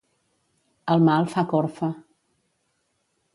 El mal fa corfa.